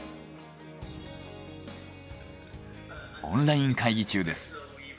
オンライン会議中です。